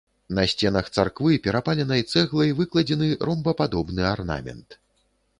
На сценах царквы перапаленай цэглай выкладзены ромбападобны арнамент.